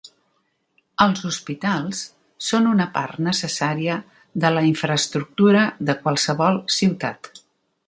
Els hospitals són una part necessària de la infraestructura de qualsevol ciutat.